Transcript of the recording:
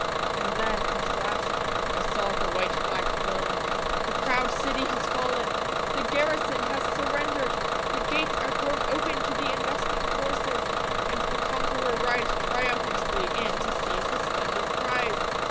And then, at last, I saw the white flag flown. The proud city has fallen; the garrison has surrendered; the gates are thrown open to the investing forces; and the conqueror rides triumphantly in to seize his splendid prize!